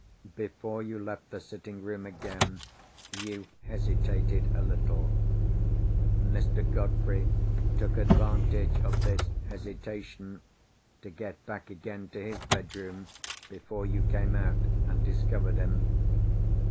Before you left the sitting room again, you hesitated a little. Mr. Godfrey took advantage of this hesitation to get back again to his bedroom before you came out, and discovered him.